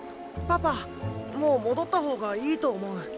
パパもう戻った方がいいと思う。